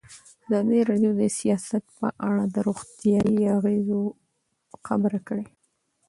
ازادي راډیو د سیاست په اړه د روغتیایي اغېزو خبره کړې.